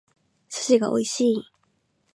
寿司が美味しい